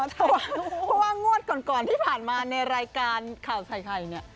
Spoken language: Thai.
เพราะว่างวัดก่อนที่ผ่านมาในรายการข่าวไทยไทย